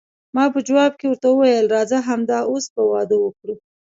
ما په جواب کې ورته وویل، راځه همد اوس به واده وکړو.